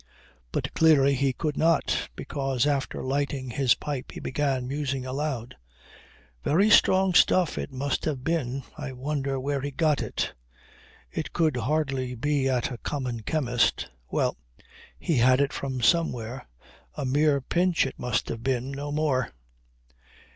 But clearly he could not, because after lighting his pipe he began musing aloud: "Very strong stuff it must have been. I wonder where he got it. It could hardly be at a common chemist. Well, he had it from somewhere a mere pinch it must have been, no more."